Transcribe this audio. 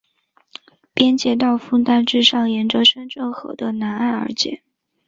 边界道路大致上沿着深圳河的南岸而建。